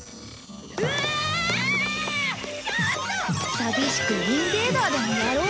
寂しくインベーダーでもやろう。